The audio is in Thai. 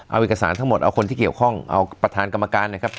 เอาเอกสารทั้งหมดเอาคนที่เกี่ยวข้องเอาประธานกรรมการนะครับ